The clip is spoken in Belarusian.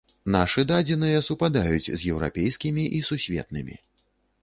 Нашы дадзеныя супадаюць з еўрапейскімі і сусветнымі.